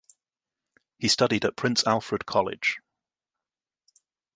He studied at Prince Alfred College.